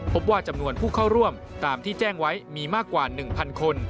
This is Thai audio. พบว่าจำนวนผู้เข้าร่วมตามที่แจ้งไว้มีมากกว่า๑๐๐คน